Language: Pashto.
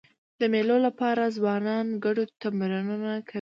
د مېلو له پاره ځوانان ګډو تمرینونه کوي.